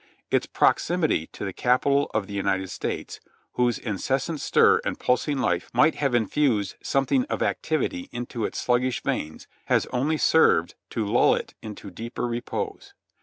Its proximity to the Capital of , the United States, whose incessant stir and pulsing life might have infused something of activity into its sluggish veins, has only served to lull it into deeper repose.